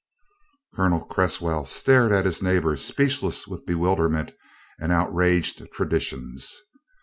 '" Colonel Cresswell stared at his neighbor, speechless with bewilderment and outraged traditions.